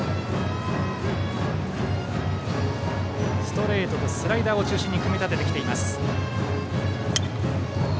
ストレートとスライダーを中心に組み立ててきています。